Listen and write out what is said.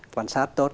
quản sát tốt